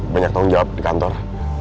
banyak tanggung jawab di kantor